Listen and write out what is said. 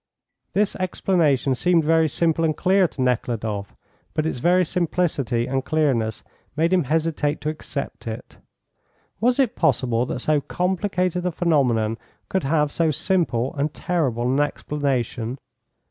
This explanation seemed very simple and clear to Nekhludoff; but its very simplicity and clearness made him hesitate to accept it. Was it possible that so complicated a phenomenon could have so simple and terrible an explanation?